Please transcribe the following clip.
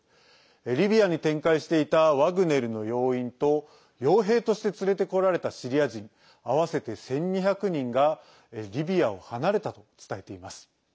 リビアに展開していたワグネルの要員とよう兵として連れてこられたシリア人、合わせて１２００人がリビアを離れたと伝えています。